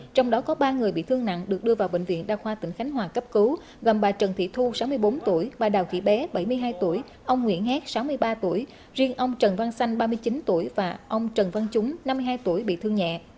trong đó có ba người bị thương nặng được đưa vào bệnh viện đa khoa tỉnh khánh hòa cấp cứu gồm bà trần thị thu sáu mươi bốn tuổi bà đào thị bé bảy mươi hai tuổi ông nguyễn hét sáu mươi ba tuổi riêng ông trần văn xanh ba mươi chín tuổi và ông trần văn trúng năm mươi hai tuổi bị thương nhẹ